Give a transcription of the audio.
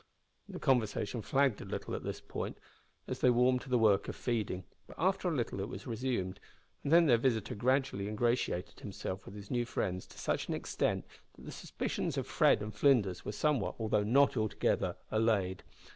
The conversation flagged a little at this point as they warmed to the work of feeding; but after a little it was resumed, and then their visitor gradually ingratiated himself with his new friends to such an extent that the suspicions of Fred and Flinders were somewhat, though not altogether, allayed.